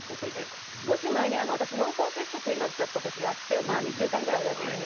少し前に私濃厚接触になっちゃった時があって２週間ぐらいお休み。